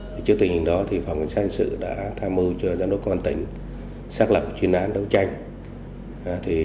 trước tình hình đó thì phòng cảnh sát hình sự đã tham mưu cho giám đốc công an tỉnh xác lập chuyên án đấu tranh